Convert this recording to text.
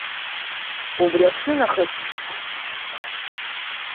Убри аҽны нахыс избон, исаҳауан.